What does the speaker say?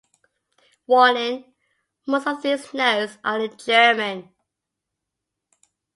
Warning: Most of these notes are in German.